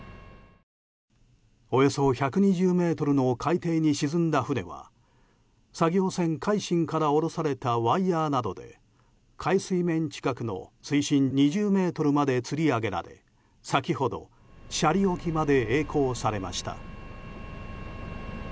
およそ１２０ｍの海底に沈んだ船は作業船「海進」から下ろされたワイヤなどで海水面近くの水深２０ｍまでつり上げられ先ほど斜里沖まで曳航されました。